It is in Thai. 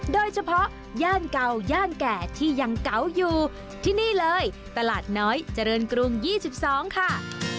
ย่านเก่าย่านแก่ที่ยังเก่าอยู่ที่นี่เลยตลาดน้อยเจริญกรุง๒๒ค่ะ